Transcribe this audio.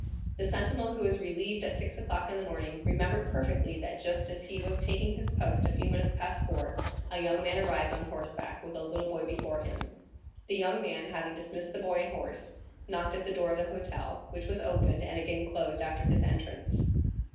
The sentinel who was relieved at six o'clock in the morning, remembered perfectly that, just as he was taking his post a few minutes past four, a young man arrived on horseback, with a little boy before him. The young man, having dismissed the boy and horse, knocked at the door of the hotel, which was opened, and again closed after his entrance.